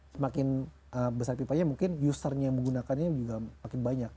semakin besar pipanya mungkin usernya yang menggunakannya juga makin banyak